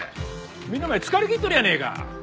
みんなお前疲れきっとるやねえか。